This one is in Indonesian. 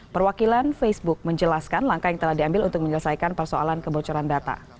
perwakilan facebook menjelaskan langkah yang telah diambil untuk menyelesaikan persoalan kebocoran data